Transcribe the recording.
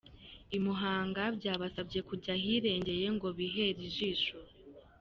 I Muhanga byabasabye kujya ahirengeye ngo bihere ijisho.